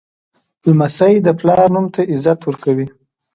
لمسی د پلار نوم ته عزت ورکوي.